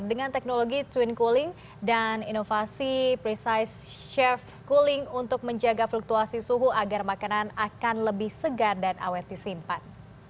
dengan teknologi twin cooling dan inovasi precise chef cooling untuk menjaga fluktuasi suhu agar makanan akan lebih segar dan awet disimpan